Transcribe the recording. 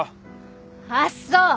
あっそう。